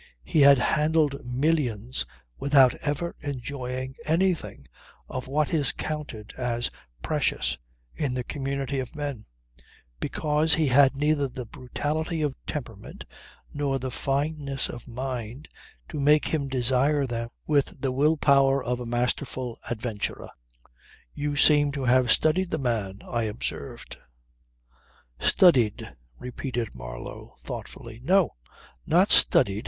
He had handled millions without ever enjoying anything of what is counted as precious in the community of men, because he had neither the brutality of temperament nor the fineness of mind to make him desire them with the will power of a masterful adventurer ..." "You seem to have studied the man," I observed. "Studied," repeated Marlow thoughtfully. "No! Not studied.